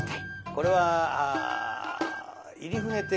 これは入船亭